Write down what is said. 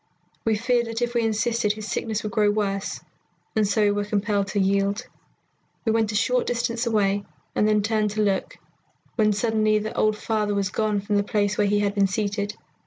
We feared that if we insisted, his sickness would grow worse, and so we were compelled to yield. We went a short distance away and then turned to look, when suddenly the old father was gone from the place where he had been seated.